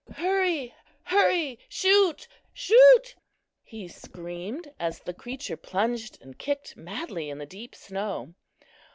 "Hurry! hurry! shoot! shoot!" he screamed, as the creature plunged and kicked madly in the deep snow.